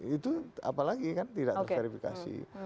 itu apalagi kan tidak terverifikasi